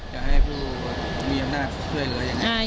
จะให้ผู้มีอำนาจช่วยเหลืออย่างนี้